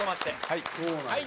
はい。